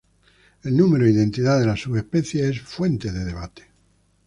El número e identidad de las subespecies es fuente de debate.